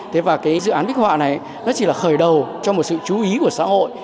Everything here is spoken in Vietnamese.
thế và cái dự án bích họa này nó chỉ là khởi đầu cho một sự chú ý của xã hội